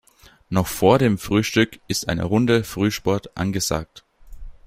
Noch vor dem Frühstück ist eine Runde Frühsport angesagt.